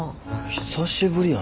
久しぶりやな。